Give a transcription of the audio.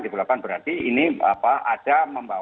diperlukan berarti ini ada